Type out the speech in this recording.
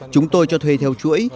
chúng tôi cho thuê theo chuỗi